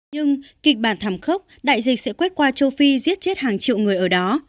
nhưng kịch bản thảm khốc đại dịch sẽ quét qua châu phi giết chết hàng triệu người ở đó